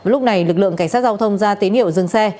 lúc này lực lượng cảnh sát giao thông ra tín hiệu dừng xe